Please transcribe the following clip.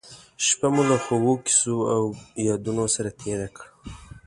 شپه مو له خوږو کیسو او یادونو سره تېره کړه.